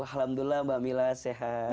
alhamdulillah mbak mila sehat